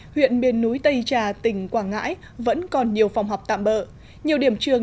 huyện miền núi tây trà tỉnh quảng ngãi vẫn còn nhiều phòng học tạm bỡ nhiều điểm trường